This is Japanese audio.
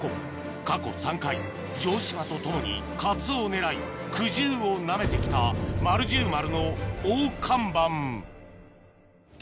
過去３回城島と共にカツオを狙い苦汁をなめて来た丸十丸の大看板